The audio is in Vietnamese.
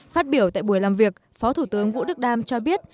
phát biểu tại buổi làm việc phó thủ tướng vũ đức đam cho biết